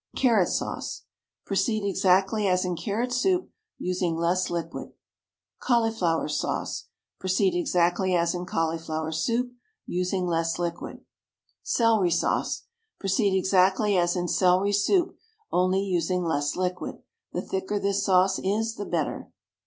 CARROT SAUCE. Proceed exactly as in carrot soup, using less liquid. CAULIFLOWER SAUCE. Proceed exactly as in cauliflower soup, using less liquid. CELERY SAUCE. Proceed exactly as in celery soup, only using less liquid. The thicker this sauce is the better.